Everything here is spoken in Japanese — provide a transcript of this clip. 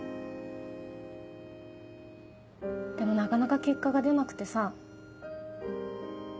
でもなかなか結果が出なくてさ。